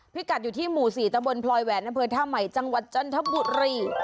พิกัดอยู่ที่หมู่๔ตะบนพลอยแหวนอำเภอท่าใหม่จังหวัดจันทบุรี